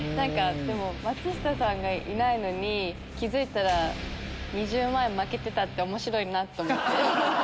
松下さんがいないのに気付いたら２０万円負けてたって面白いなって思って。